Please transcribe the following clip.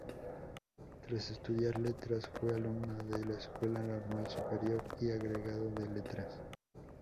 Tras estudiar Letras, fue alumno de la Escuela Normal Superior y agregado de letras.